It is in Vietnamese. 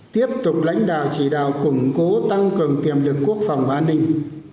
ba tiếp tục lãnh đạo chỉ đạo củng cố tăng cường tiềm lực quốc phòng và an ninh